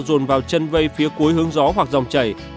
dồn vào chân vây phía cuối hướng gió hoặc dòng chảy